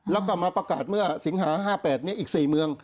แล้วก็มาประกาศเมื่อสิงหา๕๘อีก๔เมือง